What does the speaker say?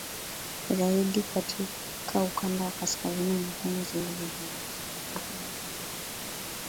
zaidi katika ukanda wa kaskazini mwa Kenya zilidhihirisha uwepo mkubwa wa viini vya kila